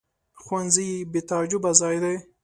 ښوونځی بې تعصبه ځای دی